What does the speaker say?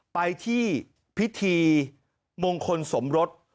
ไปที่พิธีมงคลสมรส